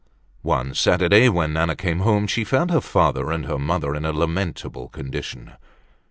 One Saturday when Nana came home she found her father and her mother in a lamentable condition.